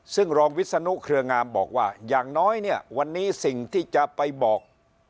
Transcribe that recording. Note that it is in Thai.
ซึ่งรองวิศนุเครืองามบอกว่าอย่างน้อยเนี่ยวันนี้สิ่งที่จะไปบอก